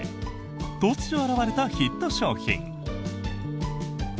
突如現れたヒット商品。